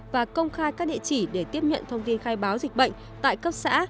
và công khai các địa chỉ để tiếp nhận thông tin khai báo dịch bệnh tại cấp xã